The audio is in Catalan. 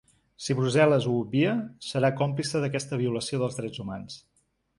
Si Brussel·les ho obvia, serà còmplice d’aquesta violació dels drets humans.